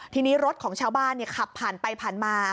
ทีนี้รถของชาวบ้านขับผ่านไปผ่านมา